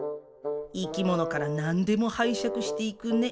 生き物から何でも拝借していくね。